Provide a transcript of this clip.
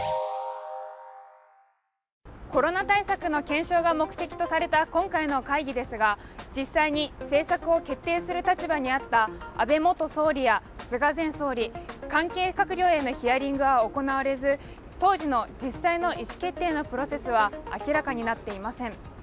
コロナ対策の検証が目的とされた今回の会議ですが実際に政策を決定する立場にあった安倍元総理や菅前総理、関係閣僚へのヒアリングは行われず、当時の実際の意思決定のプロセスは明らかになっていません。